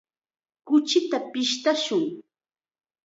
Kuchita pishtashun.